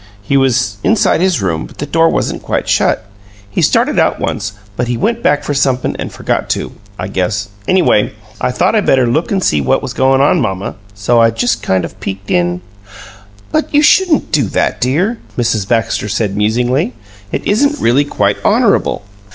He was inside his room, but the door wasn't quite shut. He started out once, but he went back for somep'm an' forgot to, I guess. Anyway, I thought I better look an' see what was goin' on, mamma. So I just kind of peeked in " "But you shouldn't do that, dear," Mrs. Baxter said, musingly. "It isn't really quite honorable."